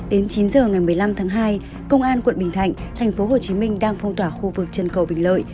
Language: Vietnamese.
đến chín giờ ngày một mươi năm tháng hai công an quận bình thạnh tp hcm đang phong tỏa khu vực chân cầu bình lợi